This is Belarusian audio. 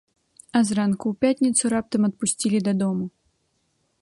А зранку ў пятніцу раптам адпусцілі дадому.